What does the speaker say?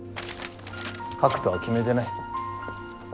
書くとは決めてない。